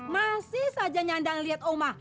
masih saja nyandang lihat oma